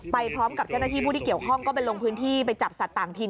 ไปพร้อมกับเจ้าหน้าที่ผู้ที่เกี่ยวข้องก็ไปลงพื้นที่ไปจับสัตว์ต่างถิ่น